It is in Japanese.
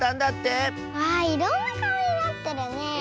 わあいろんなかおになってるねえ。